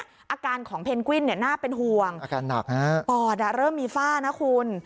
อาการของเพนกวิ้นเนี่ยน่าเป็นห่วงอาการหนักฮะปอดเริ่มมีฝ้านะคุณ